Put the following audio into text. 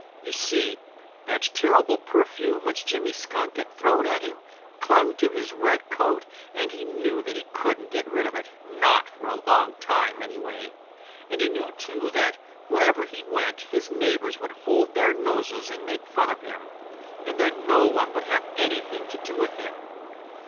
You see that terrible perfume which Jimmy Skunk had thrown at him clung to his red coat and he knew that he couldn't get rid of it, not for a long time anyway. And he knew, too, that wherever he went his neighbors would hold their noses and make fun of him, and that no one would have anything to do with him.